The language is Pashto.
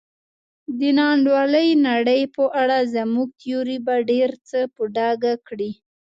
د نا انډولې نړۍ په اړه زموږ تیوري به ډېر څه په ډاګه کړي.